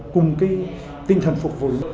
cùng tinh thần phục vụ